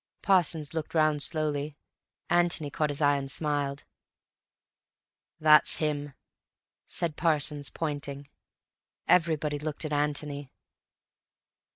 Parsons looked round slowly. Antony caught his eye and smiled. "That's him," said Parsons, pointing. Everybody looked at Antony.